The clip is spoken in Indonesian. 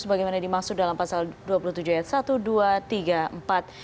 bagaimana dimaksud dalam pasal dua puluh tujuh ayat satu